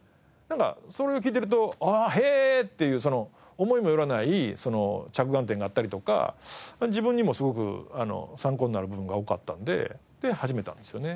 それを聞いてると「へえ！」っていう思いも寄らない着眼点があったりとか自分にもすごく参考になる部分が多かったので始めたんですよね。